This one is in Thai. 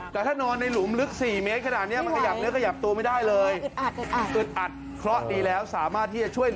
ขึ้นมาถีนละหน่อยถีนละหน่อย